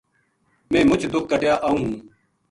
میں مُچ دُکھ کٹیا آؤں ہوں